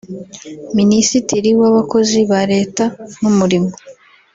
Minisitiri w’Abakozi ba Leta n’umurimo